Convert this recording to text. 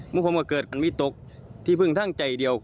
มุมผมก็เกิดการวิตกที่พึ่งทางใจเดียว